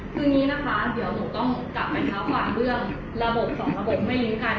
คือนี้นะคะเดี๋ยวเราต้องกลับมาเฉพาะเรื่องระบบสองระบบไม้อยุ่งกัน